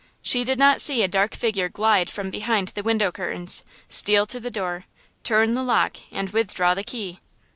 She did not see a dark figure glide from behind the window curtains, steal to the door, turn the lock and withdraw the key!